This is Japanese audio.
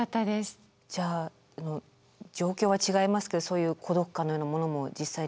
じゃあ状況は違いますけどそういう孤独感のようなものも実際に。